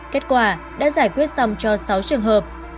kết quả đã giải quyết xong cho sáu trường hợp